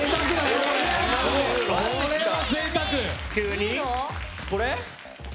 これは、ぜいたく！